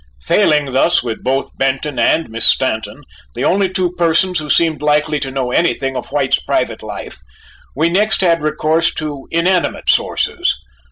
Failing thus with both Benton and Miss Stanton, the only two persons who seemed likely to know anything of White's private life, we next had recourse to inanimate sources.